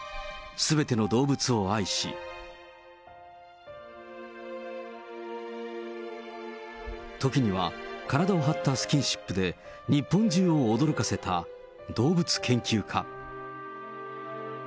すべての動物を愛し、時には、体を張ったスキンシップで、日本中を驚かせた動物研究家。